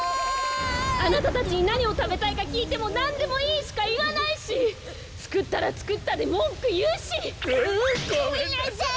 あなたたちになにをたべたいかきいても「なんでもいい」しかいわないしつくったらつくったでもんくいうし！ごめんなさい！